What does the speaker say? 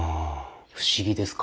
不思議ですか？